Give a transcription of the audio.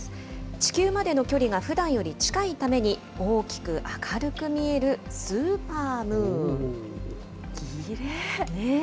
地球までの距離がふだんより近いために、大きく明るく見える、スーパームーン。